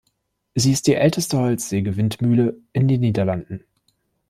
Sie ist die älteste Holzsäge–Windmühle in den Niederlanden.